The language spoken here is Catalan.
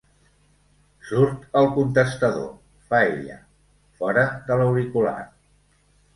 Surt el contestador —fa ella, fora de l'auricular—.